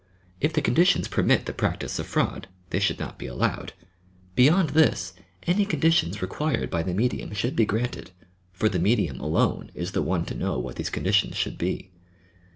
If the conditions permit the practice of fraud, they should not be allowed. Beyond this, any conditions required by the medium should be granted, for the medium alone is the one to know what these con ditions should be.